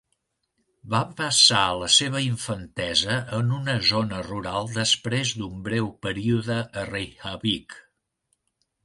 Va passar la seva infantesa en una zona rural després d'un breu període a Reykjavík.